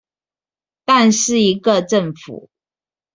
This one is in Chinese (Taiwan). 但是一個政府